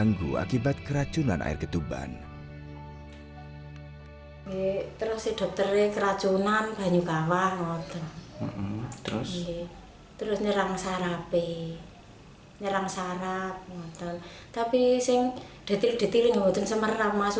nggak bisa jalan atau gimana ini bu